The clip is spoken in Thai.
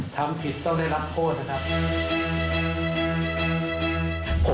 ทำผิดต้องได้รับโทษนะครับ